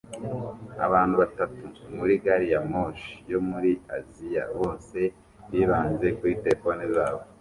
Abantu batatu muri gari ya moshi yo muri Aziya bose bibanze kuri terefone zabo